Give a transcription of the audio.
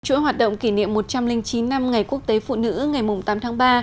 chuỗi hoạt động kỷ niệm một trăm linh chín năm ngày quốc tế phụ nữ ngày tám tháng ba